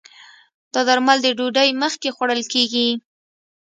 دا درمل د ډوډی مخکې خوړل کېږي